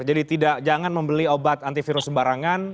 jadi jangan membeli obat antivirus barangan